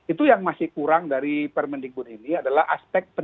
itu yang masih kurang dari permendikbud ini adalah aspek